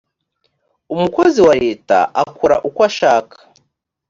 umukozi wa leta akora uko ashaka